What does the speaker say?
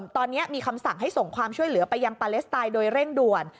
ตอนนี้มีคำสั่งให้ส่งความช่วยเหลือไปยังปาเลสไตน์โดยเร่งด่วน